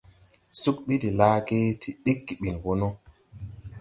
Sug ɓi de laage, ti ɗiggi ɓin wɔ no.